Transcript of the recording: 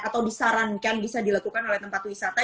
atau disarankan bisa dilakukan oleh tempat wisata